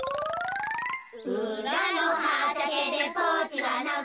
「うらのはたけでポチがなく」